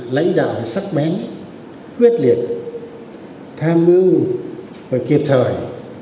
lãnh đạo phải sắc bén quyết liệt tha mưu và kịp thời